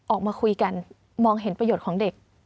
ออกมาคุยกันมองเห็นประโยชน์ของเด็ก